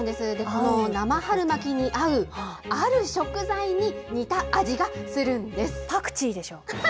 この生春巻きに合うある食材に似た味がするんパクチーでしょう。